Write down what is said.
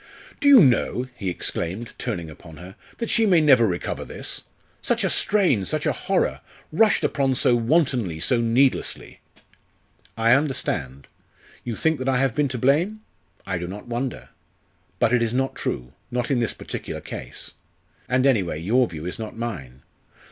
"Do you know," he exclaimed, turning upon her, "that she may never recover this? Such a strain, such a horror! rushed upon so wantonly, so needlessly." "I understand. You think that I have been to blame? I do not wonder. But it is not true not in this particular case. And anyway your view is not mine.